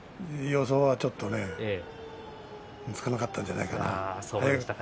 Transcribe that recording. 予想はつかなかったんじゃないかな。